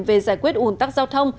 về giải quyết ủn tắc giao thông